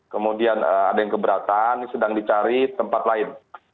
kemudian ada yang keberatan sedang dicari tempat lain